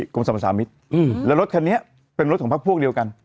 กรมสำหรับสามิทอืมแล้วรถคันนี้เป็นรถของพระพวกเดียวกัน